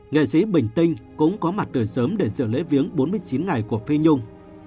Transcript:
nghệ sĩ bình tinh cũng có mặt từ sớm để dự lễ viếng bốn mươi chín ngày của phi nhung